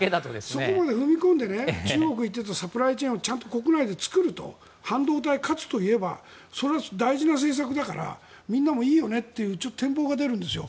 そこまで踏み込んで中国に行っていたサプライチェーンを国内で作る半導体、勝つといえばそれは大事な政策だからみんなもいいよねと展望が出るんですよ。